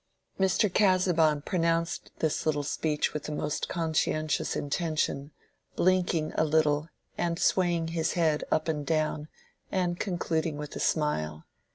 Mr. Casaubon pronounced this little speech with the most conscientious intention, blinking a little and swaying his head up and down, and concluding with a smile.